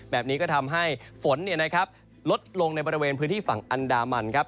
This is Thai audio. แบบนี้ก็ทำให้ฝนลดลงในบริเวณพื้นที่ฝั่งอันดามันครับ